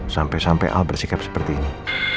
sampai sampai al bersikap seperti ini